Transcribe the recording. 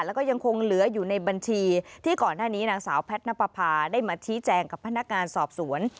แล้วก็ยังคงเหลืออยู่ในบัญชีที่ก่อนหน้านี้นางสาวแพทย์นับประพาได้มาชี้แจงกับพนักงานสอบสวน